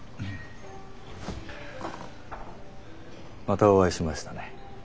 またお会いしましたね。